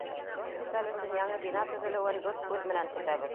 — Госпиталь өсөн яңы бина төҙөлөүен дүрт күҙ менән көтәбеҙ.